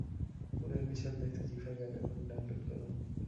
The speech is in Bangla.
পুরো এপিসোড দেখতে জি ফাইভ অ্যাপ এখনই ডাউনলোড করুন।